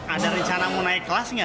ada rencana mau naik kelas nggak